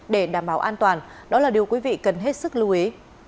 để đảm bảo an toàn đó là điều quý vị cần hết sức lưu ý